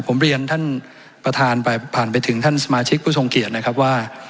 ผมเรียนท่านประธานไปผ่านไปถึงท่านสมาชิกผู้ทรงเกียจนะครับว่า